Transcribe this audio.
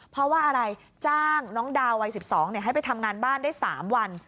เพราะว่าอะไรจ้างน้องดาววัย๑๒ให้ไปทำงานบ้านได้๓วัน